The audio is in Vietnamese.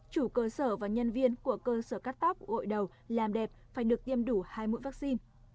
chủ cơ sở và nhân viên của cơ sở cắt tóc gội đầu làm đẹp phải được tiêm đủ hai mũi vaccine